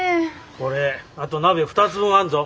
これあと鍋２つ分あんぞ。